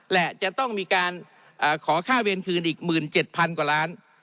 และจะต้องมีการขอค่าเวรคืนอีก๑๗๐๐กว่าล้าน